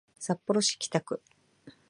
札幌市北区